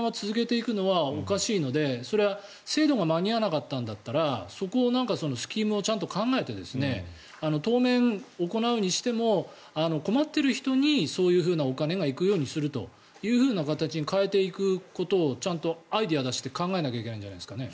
それは、このまま続けていくのはおかしいのでそれは制度が間に合わなかったんだったらそこのスキームをちゃんと考えて当面、行うにしても困っている人にそういうふうなお金が行くような形に変えていくことをちゃんとアイデアを出して考えないといけないんじゃないですかね。